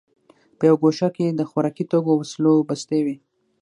په یوه ګوښه کې د خوراکي توکو او وسلو بستې وې